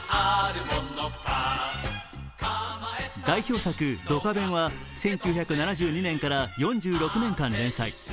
代表作「ドカベン」は１８７２年から４２年間連載。